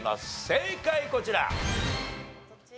正解こちら。